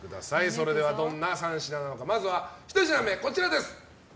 それではどんな３品なのかまずは１品目、こちらです。